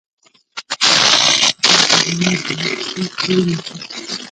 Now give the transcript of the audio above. پټه خزانه د حقيقت په اينه کې